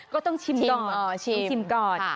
ก็ต้องชิมก่อน